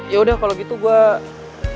yaudah kalo gitu gue